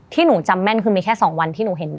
ที่หนูจำแม่นคือมีแค่๒วันที่หนูเห็น